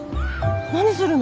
何するの？